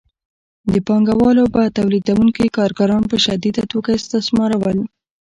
پانګوالو به تولیدونکي کارګران په شدیده توګه استثمارول